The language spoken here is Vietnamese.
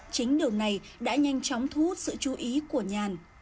chính điều này đã nhanh chóng thu hút sự chú ý của nhàn